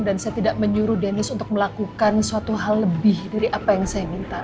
dan saya tidak menyuruh dennis untuk melakukan suatu hal lebih dari apa yang saya minta